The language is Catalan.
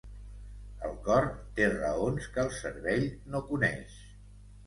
El cor té raons que el cervell no coneix.